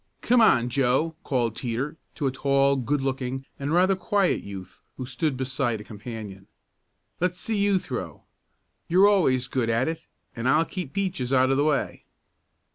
"Come on, Joe," called Teeter, to a tall, good looking, and rather quiet youth who stood beside a companion. "Let's see you throw. You're always good at it, and I'll keep Peaches out of the way."